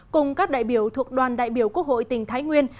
cùng các đại biểu thuộc đoàn đại biểu quốc hội tỉnh thái nguyên